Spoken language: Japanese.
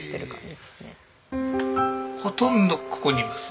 ほとんどここにいます。